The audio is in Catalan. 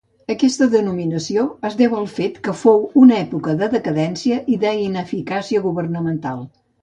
Aquesta denominació es deu al fet que fou una època de decadència i ineficàcia governamental.